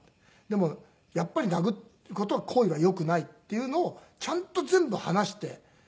でもやっぱり殴る行為はよくないっていうのをちゃんと全部話して。